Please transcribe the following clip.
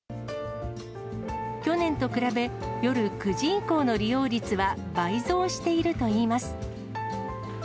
去年と比べ、夜９時以降の利用率は倍増しているといいます。